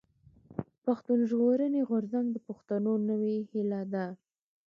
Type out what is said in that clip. پښتون ژغورني غورځنګ د پښتنو نوې هيله ده.